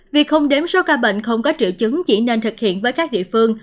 việc không đếm số ca bệnh không có triệu chứng chỉ nên thực hiện với các địa phương